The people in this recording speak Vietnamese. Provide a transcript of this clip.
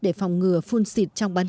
để phòng ngừa phun xịt trong bán